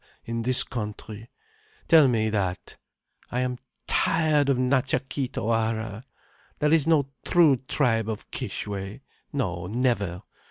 —in this country?—tell me that. I am tired of Natcha Kee Tawara. There is no true tribe of Kishwe—no, never.